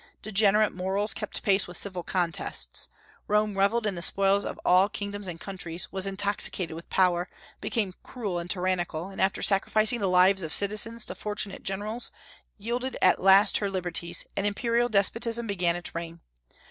Degenerate morals kept pace with civil contests. Rome revelled in the spoils of all kingdoms and countries, was intoxicated with power, became cruel and tyrannical, and after sacrificing the lives of citizens to fortunate generals, yielded at last her liberties, and imperial despotism began its reign.